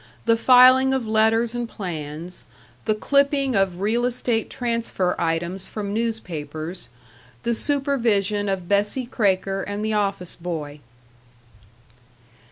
The filing of letters and plans; the clipping of real estate transfer items from newspapers.... The supervision of Bessie Kraker and the office boy.